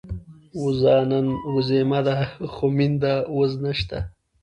وزه نن وزيمه ده، خو مينده وز نشته